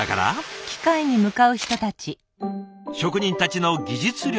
職人たちの技術力が肝。